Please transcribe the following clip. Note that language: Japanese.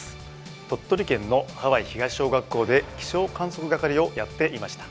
鳥取県の羽合東小学校で気象観測係をやっていました。